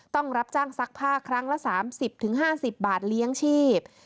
ต้องรับจ้างซักผ้าครั้งละ๓๐๕๐บาทเลี้ยงชีพ